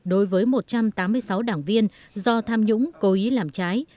đối với một trăm tám mươi sáu đảng viên do tham nhũng cố ý làm trái